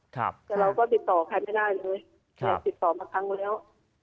แต่เราก็ติดต่อใครไม่ได้เลยติดต่อมาครั้งแล้ว